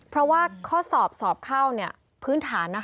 เพราะว่าข้อสอบสอบเข้าพื้นฐาน